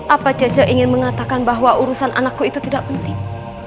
apa jaja ingin mengatakan bahwa urusan anakku itu tidak penting